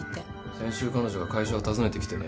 先週彼女が会社を訪ねてきてね